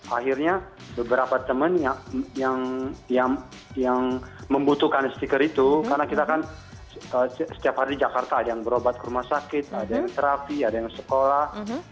akhirnya beberapa teman yang membutuhkan stiker itu karena kita kan setiap hari di jakarta ada yang berobat ke rumah sakit ada yang terapi ada yang sekolah